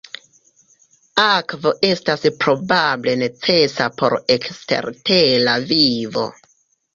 Akvo estas probable necesa por ekstertera vivo.